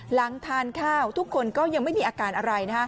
หลังทานข้าวทุกคนก็ยังไม่มีอาการอะไร